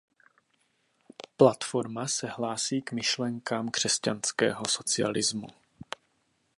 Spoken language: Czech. Platforma se hlásí k myšlenkám křesťanského socialismu.